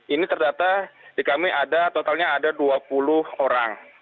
ini terdata di kami ada totalnya ada dua puluh orang